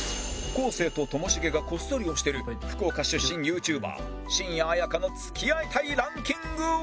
昴生とともしげがこっそり推してる福岡出身ユーチューバー新谷あやかの付き合いたいランキングは